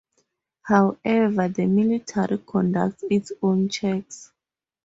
However, the military conducts its own checks.